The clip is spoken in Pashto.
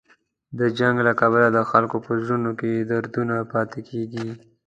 د جنګ له کبله د خلکو په زړونو کې دردونه پاتې کېږي.